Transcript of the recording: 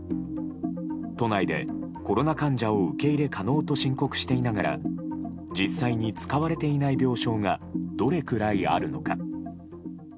都内でコロナ患者を受け入れ可能と申告していながら実際に使われていない病床がどれくらいあるのか。